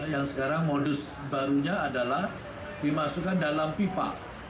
yang sekarang modus barunya adalah dimasukkan dalam pipa